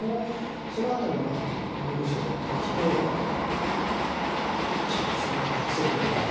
そのあとにおみこしがやって来て「ちゃんと証拠を隠せるんだろうか。